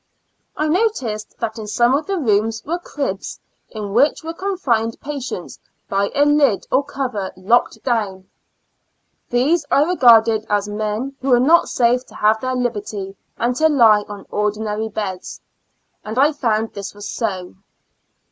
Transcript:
I noticed that in some of the rooms were cribs in which were confined patients by a lid or cover, locked down ; these I regarded as men who were not safe to have their liberty and to lie on ordinary beds, and I found this was so.